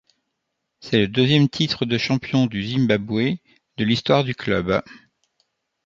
C'est le deuxième titre de champion du Zimbabwe de l'histoire du club.